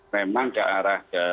memang ke arah